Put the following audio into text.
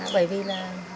bởi vì là